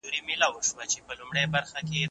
زه پرون شګه پاکه کړه!.